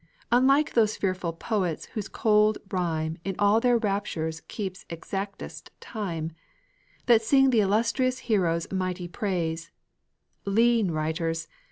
Unlike those fearful poets whose cold rime In all their raptures keeps exactest time; That sing the illustrious hero's mighty praise Lean writers!